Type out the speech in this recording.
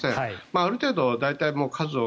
ある程度、大体数を。